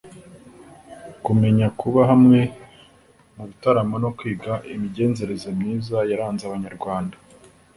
kumenya kuba hamwe mu bitaramo no kwiga imigenzereze myiza yaranze Abanyarwanda